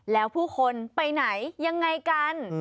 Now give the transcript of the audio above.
แล้วผู้คนไปไหนยังไงกัน